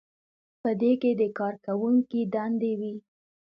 په دې کې د کارکوونکي دندې وي.